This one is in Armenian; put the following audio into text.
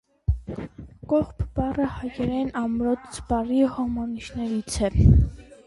Կողբ բառը հայերեն ամրոց բառի հոմանիշներից է։